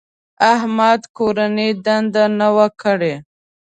احمد کورنۍ دنده نه وه کړې.